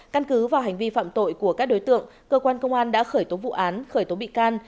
căn cứ vào hành vi phạm tội của các đối tượng cơ quan công an đã khởi tố vụ án khởi tố bị can